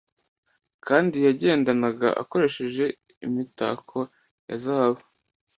Kandi yagendanaga akoresheje imitako ya zahabu,